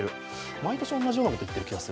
毎年同じようなこと言ってる気がする。